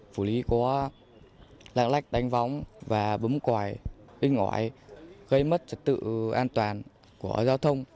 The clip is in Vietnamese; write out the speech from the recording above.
phủ lý có lạng lách đánh võng và bấm còi đánh ngõi gây mất trật tự an toàn của giao thông